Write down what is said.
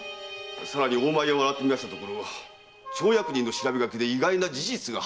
更に大前屋を洗ったところ町役人の調べ書きで意外な事実が判明いたしました。